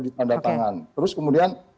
ditandatangani terus kemudian